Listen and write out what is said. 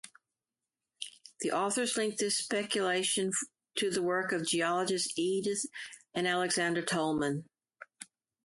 The authors link this speculation to the work of geologists Edith and Alexander Tollmann.